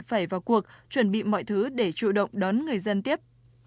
phải vào cuộc chuẩn bị mọi thứ để chủ động đón người dân tiếp